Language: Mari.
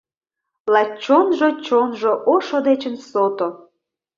Лач чонжо — Чонжо ошо дечын сото!